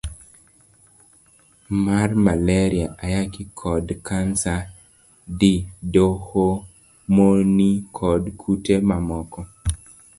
C. mar Maleria, Ayaki, kod kansa D. Dhoho, momni, kod kute mamoko.